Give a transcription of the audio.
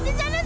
di sana serem